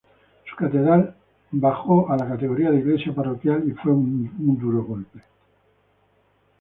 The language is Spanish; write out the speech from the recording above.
Su catedral bajó a la categoría de iglesia parroquial, y fue un duro golpe.